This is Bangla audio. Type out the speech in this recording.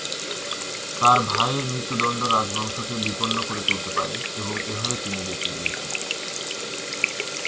তার ভাইয়ের মৃত্যুদণ্ড রাজবংশকে বিপন্ন করে তুলতে পারে, এবং এভাবে তিনি বেঁচে গিয়েছিলেন।